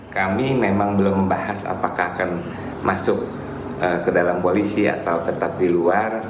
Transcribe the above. kami memang belum membahas apakah akan masuk ke dalam koalisi atau tetap di luar